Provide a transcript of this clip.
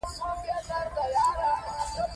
سپین ږیری د کور د غړو سره نرم چلند کوي